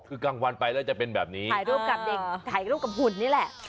ถ่ายรูปกับหุ่นนี่แหละ